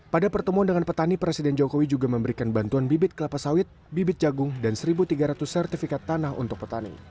pada pertemuan dengan petani presiden jokowi juga memberikan bantuan bibit kelapa sawit bibit jagung dan satu tiga ratus sertifikat tanah untuk petani